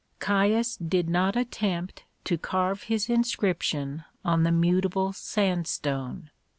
Caius did not attempt to carve his inscription on the mutable sandstone.